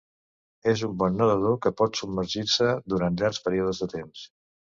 És un bon nedador que pot submergir-se durant llargs períodes de temps.